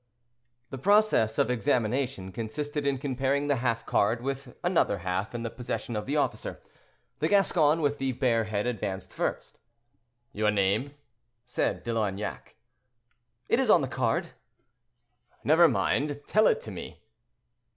The process of examination consisted in comparing the half card with another half in the possession of the officer. The Gascon with the bare head advanced first. "Your name?" said De Loignac. "It is on the card." "Never mind; tell it to me."